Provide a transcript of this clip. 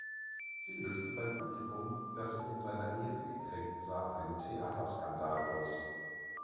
Sie löste beim Publikum, das sich in seiner Ehre gekränkt sah, einen Theaterskandal aus.